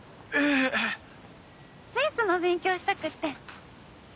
スイーツの勉強したくって。